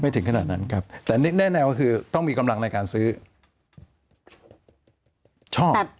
ถึงขนาดนั้นครับแต่แน่ก็คือต้องมีกำลังในการซื้อชอบ